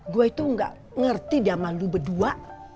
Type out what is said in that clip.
gue itu gak ngerti dia malu berdua